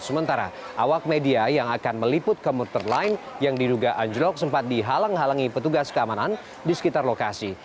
sementara awak media yang akan meliput komuter lain yang diduga anjlok sempat dihalang halangi petugas keamanan di sekitar lokasi